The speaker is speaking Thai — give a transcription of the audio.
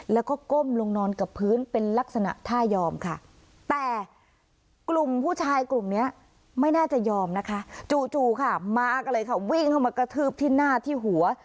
แล้วก็ก้มลงนอนกับพื้นเป็นลักษณะท่ายอมค่ะแต่กลุ่มผู้ชายกลุ่มนี้ไม่น่าจะยอมนะคะจู่ค่ะมากันเลยค่ะวิ่งเข้ามากระทืบที่หน้าที่หัว